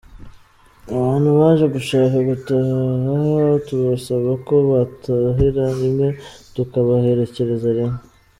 Abantu baje gushaka gutaha tubasaba ko batahira rimwe tukabaherekereza rimwe.